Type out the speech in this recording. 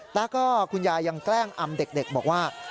แล้วก็คุณยายยังแกล้งอำเด็กบอกว่า